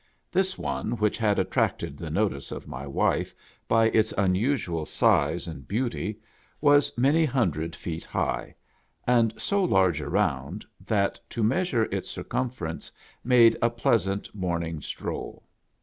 This one, which had attracted the notice of my wife by its unusual size and beauty, was many hundred feet high, and so large round that to measure its circumference made a pleasant morning stroll.